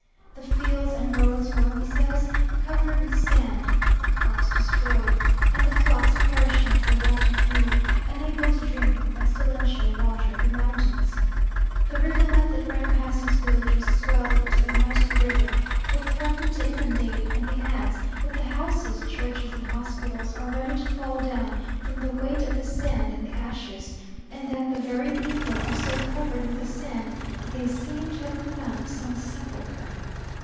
The fields and roads were, he says, covered with sand, the crops destroyed, and the flocks perishing for want of food, unable to drink the pestilential water of the mountains. The rivulet that ran past his village was swelled to a mighty river, that threatened to inundate it; and he adds, that the houses, churches, and hospitals are ready to fall down from the weight of the sand and the ashes and that "the very people are so covered with the sand, that they seem to have come out of some sepulchre."